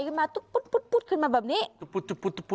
ขึ้นมาปุ๊ดขึ้นมาแบบนี้